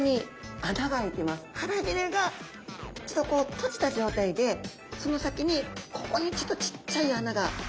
腹びれがちょっとこう閉じた状態でその先にここにちっちゃい穴があいてるんですね。